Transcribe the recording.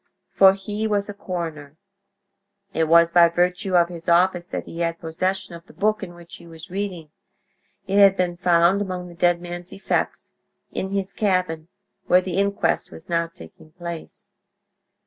For he was a coroner. It was by virtue of his office that he had possession of the book in which he was reading; it had been found among the dead man's effects—in his cabin, where the inquest was now taking place.